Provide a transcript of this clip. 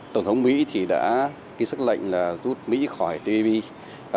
tổng thống mỹ đã ký sắc lệnh rút mỹ khỏi tpp